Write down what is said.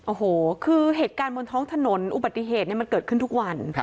โอ้โหคือเหตุการณ์บนท้องถนนอุบัติเหตุมันเกิดขึ้นทุกวัน